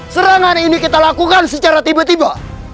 serangan ini kita lakukan secara tiba tiba